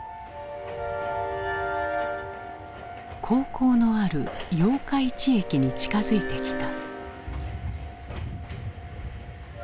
高校のある八日市駅に近づいてきた。